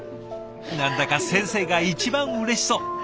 何だか先生が一番うれしそう。